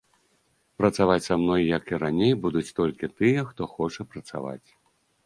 Працаваць са мной, як і раней, будуць толькі тыя, хто хоча працаваць.